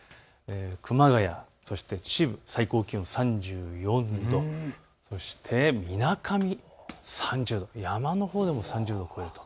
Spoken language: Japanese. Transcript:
熊谷、そして秩父、最高気温３４度、そしてみなかみ３０度、山のほうでも３０度を超えると。